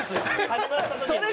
始まった時にね。